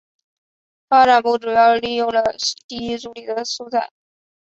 发展部主要使用了第一主题的素材。